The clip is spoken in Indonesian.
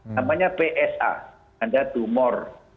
namanya psa nanda tumor